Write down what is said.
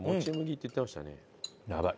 やばい。